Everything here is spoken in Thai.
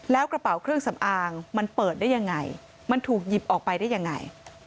แล้วกระเป๋าเครื่องสำอางมันเปิดได้ยังไงมันถูกหยิบออกไปได้ยังไง